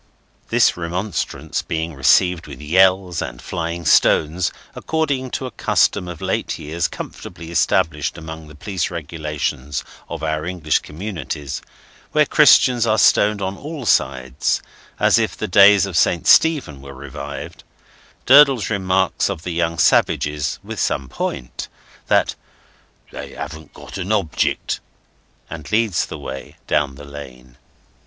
This remonstrance being received with yells and flying stones, according to a custom of late years comfortably established among the police regulations of our English communities, where Christians are stoned on all sides, as if the days of Saint Stephen were revived, Durdles remarks of the young savages, with some point, that "they haven't got an object," and leads the way down the lane.